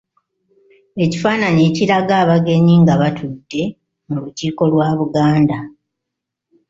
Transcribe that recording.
Ekifaananyi ekiraga abagenyi nga batudde mu Lukiiko lwa Buganda.